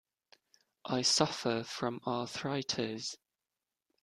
I suffer from arthritis.